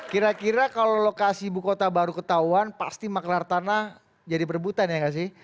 kira kira kalau lokasi ibu kota baru ketahuan pasti maklar tanah jadi perebutan ya nggak sih